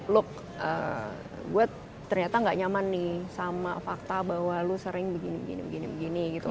look gue ternyata nggak nyaman nih sama fakta bahwa lu sering begini begini